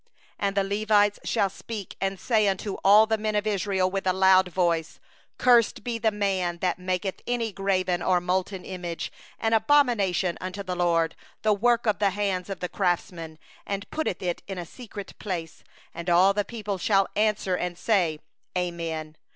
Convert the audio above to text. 14And the Levites shall speak, and say unto all the men of Israel with a loud voice: 15Cursed be the man that maketh a graven or molten image, an abomination unto the LORD, the work of the hands of the craftsman, and setteth it up in secret. And all the people shall answer and say: Amen.